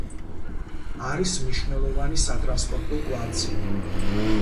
არის მნიშვნელოვანი სატრანსპორტო კვანძი.